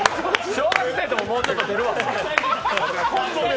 小学生でももうちょっと出るわ。